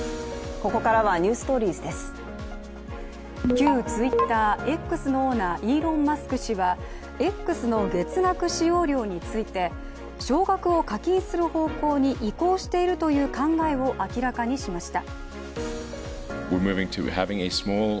旧Ｔｗｉｔｔｅｒ＝Ｘのオーナー、イーロン・マスク氏は、Ｘの月額使用料について少額を課金する方向に移行しているという考えを明らかにしました。